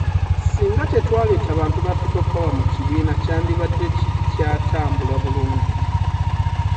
Singa tetwaleeta bantu ba Pipo pawa mu kibiina, kyandibadde kikyatambula bulungi